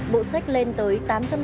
bộ sách lên tới tám trăm linh bảy